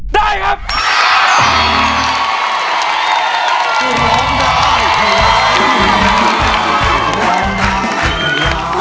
ได้ครับ